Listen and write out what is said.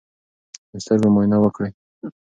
د سترګو معاینه وکړئ.